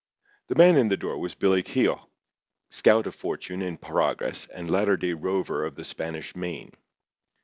The man in the door was Billy Keogh, scout of fortune and progress and latter day rover of the Spanish Main.